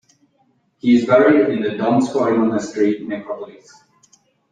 He is buried in the Donskoy monastery necropolis.